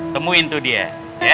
temuin tuh dia ya